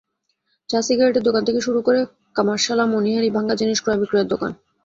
চা-সিগারেটের দোকান থেকে শুরু করে কামারশালা, মনিহারি, ভাঙা জিনিস ক্রয়-বিক্রয়ের দোকান।